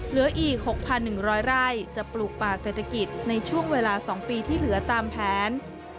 เหลืออีก๖๑๐๐ไร่จะปลูกป่าเศรษฐกิจในช่วงเวลา๒ปีที่เหลือตามแผน